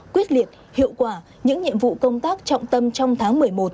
quyết liệt hiệu quả những nhiệm vụ công tác trọng tâm trong tháng một mươi một